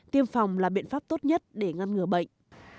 tiêm phòng là biện pháp tốt nhất để ngăn ngừa bệnh